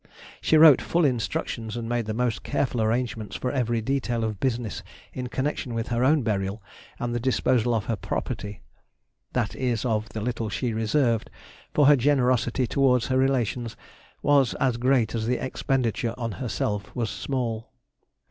She wrote full instructions and made the most careful arrangements for every detail of business in connection with her own burial and the disposal of her property—that is of the little she reserved, for her generosity towards her relations was as great as the expenditure on herself was small.